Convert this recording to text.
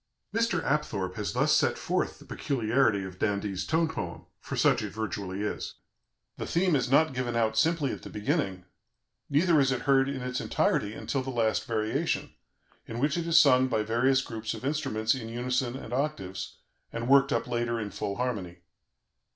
" Mr. Apthorp has thus set forth the peculiarity of d'Indy's tone poem (for such it virtually is): "The theme is not given out simply at the beginning, neither is it heard in its entirety until the last variation, in which it is sung by various groups of instruments in unison and octaves, and worked up later in full harmony.